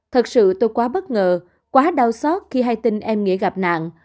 thật sự tôi quá bất ngờ quá đau xót khi hay tin em nghĩa gặp nạn